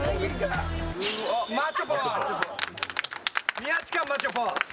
宮近、マッチョポーズ。